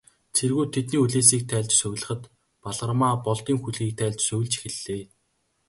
Цэргүүд тэдний хүлээсийг тайлж, сувилахад, Балгармаа Болдын хүлгийг тайлж сувилж эхэллээ.